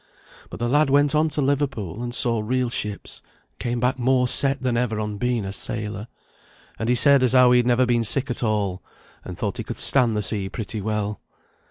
But the lad went on to Liverpool and saw real ships, and came back more set than ever on being a sailor, and he said as how he had never been sick at all, and thought he could stand the sea pretty well.